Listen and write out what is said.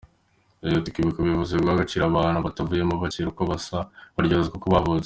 Yagize ati “Kwibuka bivuze guha agaciro abacu batuvuyemo bazira uko basa, baryozwa uko bavutse.